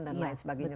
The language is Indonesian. dan lain sebagainya